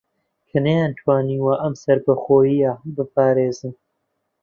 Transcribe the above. کە نەیانتوانیوە ئەم سەربەخۆیییە بپارێزن